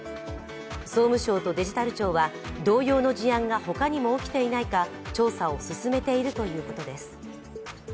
総務省とデジタル庁は同様の事案が他にも起きていないか調査を進めているということです。